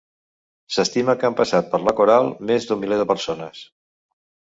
S'estima que han passat per la coral més d'un miler de persones.